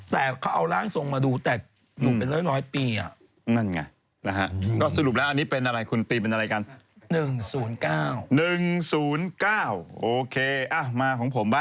แต่เขาเอาร่างทรงมาดูแต่อยู่เป็นร้อยปี